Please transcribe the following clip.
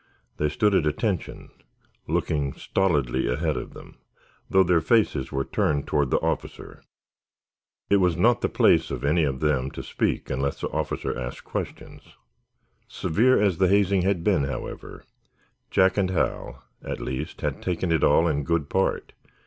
They stood at attention, looking stolidly ahead of them, though their faces were turned toward the officer. It was not the place of any of them to speak unless the officer asked questions. Severe as the hazing had been, however, Jack and Hal, at least, had taken it all in good part.